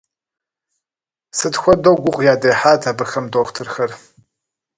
Сыт хуэдэу гугъу ядехьат абыхэм дохутырхэр!